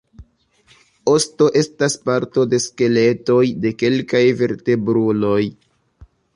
Osto estas parto de skeletoj de kelkaj vertebruloj.